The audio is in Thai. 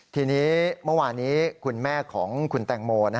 ทีนี้เมื่อวานี้คุณแม่ของคุณแตงโม